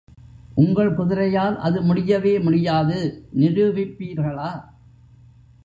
உங்கள் குதிரையால் அது முடியவே முடியாது நிரூபிப்பீர்களா?